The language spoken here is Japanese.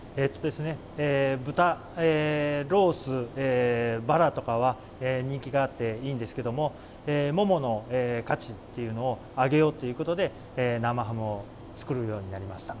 豚、ロース、バラとかは人気があっていいんですけども、モモの価値っていうのを上げようということで、生ハムを作るようになりました。